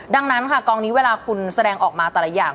ดังนั้นค่ะกองนี้เวลาคุณแสดงออกมาแต่ละอย่าง